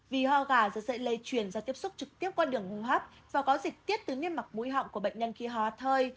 vì hò gà rất dễ lây chuyển ra tiếp xúc trực tiếp qua đường hô hấp và có dịch tiết từ nguyên mặt mũi họng của bệnh nhân khi hò thơi